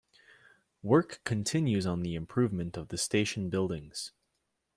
Work continues on the improvement of the station buildings.